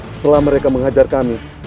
setelah mereka menghajar kami